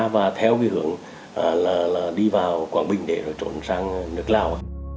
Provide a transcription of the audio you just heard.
và theo cái hướng là đi vào quảng bình để rồi trốn sang nước lào